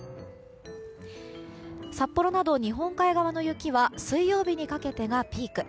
札幌など日本海側の雪は水曜日にかけてがピーク。